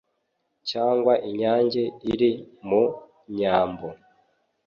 Cyangwa inyange iri mu nyambo